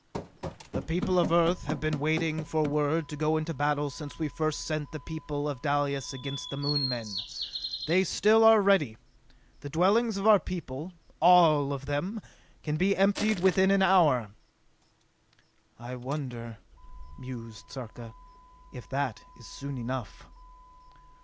"The people of Earth have been waiting for word to go into battle since we first sent the people of Dalis against the Moon men. They still are ready! The dwellings of our people, all of them, can be emptied within an hour!" "I wonder," mused Sarka, "if that is soon enough!"